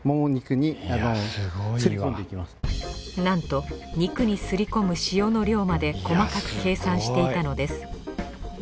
なんと肉に擦り込む塩の量まで細かく計算していたのです。